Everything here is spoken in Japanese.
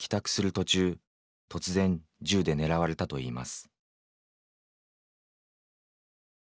途中突然、銃で狙われたといいます。